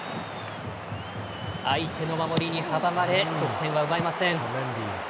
相手の守りに阻まれ得点は奪えません。